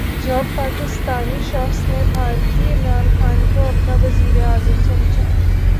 جب پاکستانی شخص نے بھارتی عمران خان کو اپنا وزیراعظم سمجھا